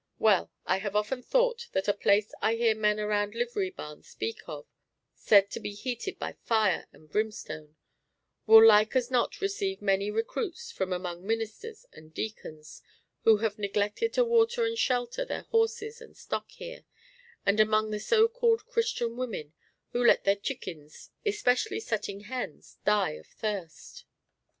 Well, I have often thought that a place I hear men around livery barns speak of, said to be heated by fire and brimstone, will like as not receive many recruits from among ministers and deacons who have neglected to water and shelter their horses and stock here, and among the so called Christian women who let their chickens, especially setting hens, die of thirst.